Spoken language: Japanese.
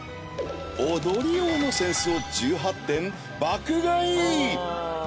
［踊り用の扇子を１８点爆買い］